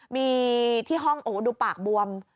มีที่ห้องโอ้ดูปากบวม